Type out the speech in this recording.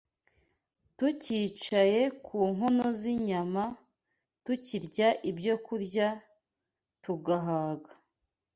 Tukicaye ku nkono z’inyama, tukirya ibyokurya tugahaga